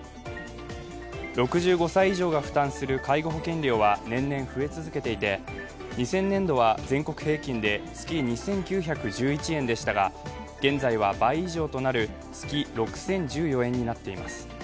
６５歳以上が負担する介護保険料は年々増え続けていて、２０００年度は全国平均で月２９１１円でしたが現在は、倍以上となる月６０１４円になっています。